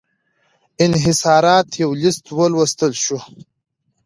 انحصاراتو یو لېست ولوستل شو.